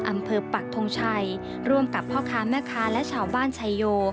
ปักทงชัยร่วมกับพ่อค้าแม่ค้าและชาวบ้านชายโย